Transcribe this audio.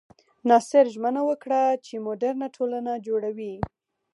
ناصر ژمنه وکړه چې موډرنه ټولنه جوړوي.